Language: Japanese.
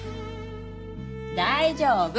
大丈夫！